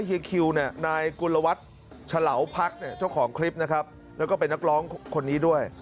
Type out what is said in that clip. เพราะว่าเฮียคิวเนี่ยนายกุลวัตรฉลาวพักเจ้าของคลิปนะครับแล้วก็เป็นนักร้องคนนี้ด้วย